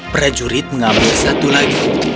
prajurit mengambil satu lagi